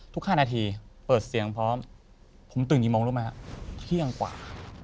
ทุก๕นาทีเปิดเสียงเพราะว่าผมตื่นอย่างงี้มองรู้ไหมครับเที่ยงกว่า